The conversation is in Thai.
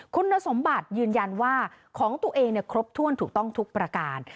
คุณสมบัติยืนยันว่าของตัวเองครบถ้วนถูกต้องทุกประการ